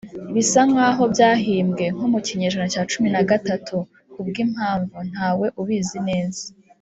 bisa nkaho byahimbwe nko mu kinyejana cya cumi na gatatu kubwimpamvu ntawe ubizi neza.